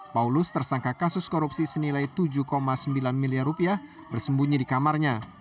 paulus tersangka kasus korupsi senilai tujuh sembilan miliar rupiah bersembunyi di kamarnya